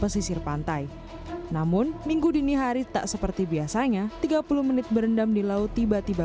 pesisir pantai namun minggu dini hari tak seperti biasanya tiga puluh menit berendam di laut tiba tiba